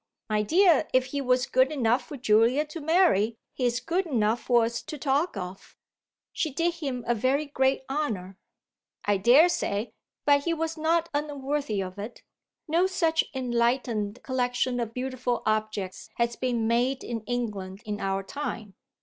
"My dear, if he was good enough for Julia to marry he's good enough for us to talk of." "She did him a very great honour." "I daresay, but he was not unworthy of it. No such enlightened collection of beautiful objects has been made in England in our time."